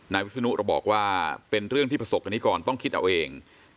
นายวิทยานุเราบอกว่าเป็นเรื่องที่ประสบไว้ก่อนต้องคิดเอาเอง